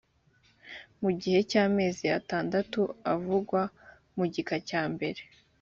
mu gihe cy amezi atandatu avugwa mu gika cyambere